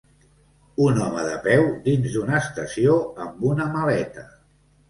Un home de peu dins d'una estació amb una maleta